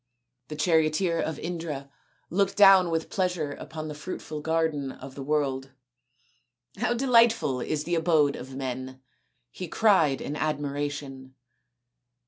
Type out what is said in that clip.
The charioteer of Indra looked down with pleasure upon the fruitful garden of the world. " How de lightful is the abode of men !" he cried in admiration.